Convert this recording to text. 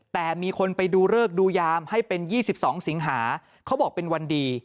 แต่มีคนไปดูเลิกดูยามให้เป็น๒๒สิงหาเขาบอกเป็นวันดี